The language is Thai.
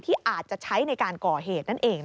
ที่อาจจะใช้ในการก่อเหตุนั่นเอง